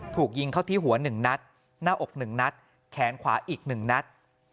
ถูกยิงเข้าที่หัว๑นัดหน้าอก๑นัดแขนขวาอีก๑นัด